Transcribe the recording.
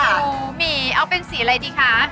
หมูหมี่เอาเป็นสีอะไรดีคะ